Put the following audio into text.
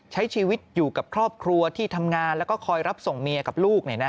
ใช้ชีวิตอยู่กับครอบครัวที่ทำงานแล้วก็คอยรับส่งเมียกับลูก